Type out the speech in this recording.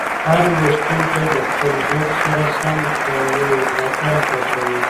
هر لوستونکی د خپل ذوق سره سم یو اتل خوښوي.